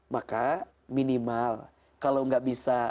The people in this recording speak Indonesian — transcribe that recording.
maka minimal kalau nggak bisa